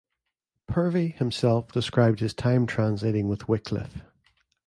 Purvey, himself, described his time translating with Wycliffe.